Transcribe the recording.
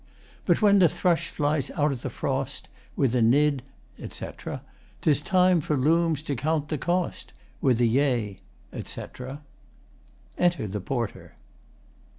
But when the thrush flies out o' the frost With a nid, [etc.] 'Tis time for loons to count the cost, With a yea [etc.] [Enter the PORTER.